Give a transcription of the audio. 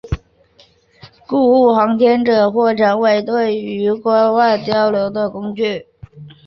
故航空器或船舶成为了对外主要的交通工具。